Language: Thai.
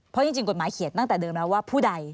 เพราะจริงกฎหมายเขียนตั้งแต่เดิมแล้วว่าผู้ใด